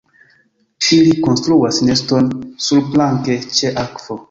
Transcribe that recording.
Ili konstruas neston surplanke ĉe akvo.